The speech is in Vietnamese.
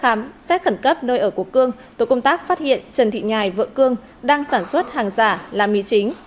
khám xét khẩn cấp nơi ở của cương tổ công tác phát hiện trần thị nhài vợ cương đang sản xuất hàng giả là mì chính